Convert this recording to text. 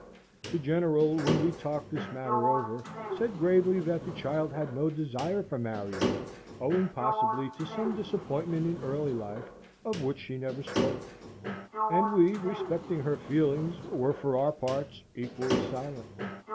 The General, when we talked this matter over, said gravely that the child had no desire for marrying, owing possibly to some disappointment in early life, of which she never spoke; and we, respecting her feelings, were for our parts equally silent.